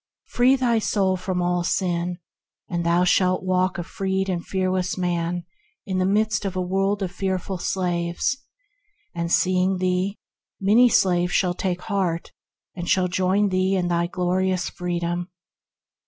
Free thy soul from all sin, and thou shalt walk a freed and fearless man in the midst of a world of fearful slaves; and, seeing thee, many slaves shall take heart and shall join thee in thy glorious freedom.